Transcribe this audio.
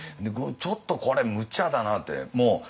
ちょっとこれむちゃだなって。